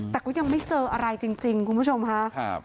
แต่ก็ยังไม่เจออะไรจริงคุณผู้ชมค่ะ